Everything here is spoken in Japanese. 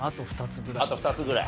あと２つぐらい。